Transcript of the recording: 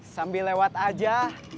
sambil lewat aja